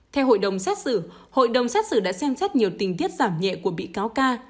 theo hội đồng xét xử hội đồng xét xử đã xem xét nhiều tình tiết giảm nhẹ của bị cáo ca